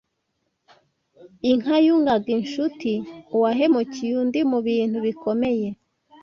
Inka yungaga inshuti Uwahemukiye undi mu bintu bikomeye